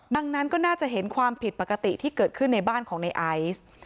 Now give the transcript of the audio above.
ดังนั้นก็น่าจะเห็นความผิดปกติที่เกิดขึ้นในบ้านของในไอซ์